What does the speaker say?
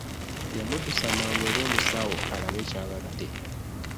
Yamuddusa mangu eri omusawo alabe ky'abadde.